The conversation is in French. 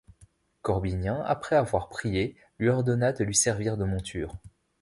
Corbinien, après avoir prié, lui ordonna de lui servir de monture.